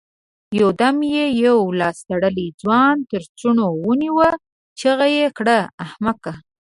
يودم يې يو لاس تړلی ځوان تر څڼو ونيو، چيغه يې کړه! احمقه!